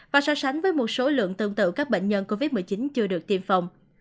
và so sánh với một số lượng tương tự các bệnh nhân covid một mươi chín chưa được tiêm phòng